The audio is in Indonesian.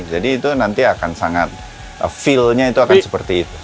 jadi itu nanti akan sangat feel nya itu akan seperti itu